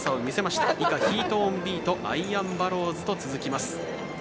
ヒートオンビートアイアンバローズと続きます。